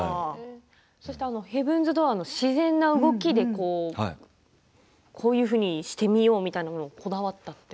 ヘブンズ・ドアーの自然な動きでこういうふうにしてみようというのもこだわったと。